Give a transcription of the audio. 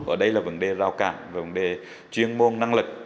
ở đây là vấn đề rào cản vấn đề chuyên môn năng lực